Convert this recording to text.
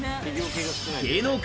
芸能界